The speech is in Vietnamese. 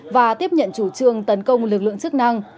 và tiếp nhận chủ trương tấn công lực lượng chức năng